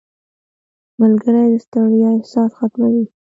• ملګری د ستړیا احساس ختموي.